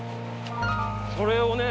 それをね